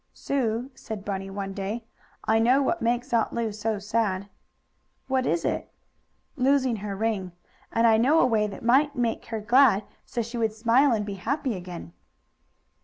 "Sue," said Bunny one day, "I know what makes Aunt Lu so sad." "What is it?" "Losing her ring. And I know a way that might make her glad, so she would smile and be happy again."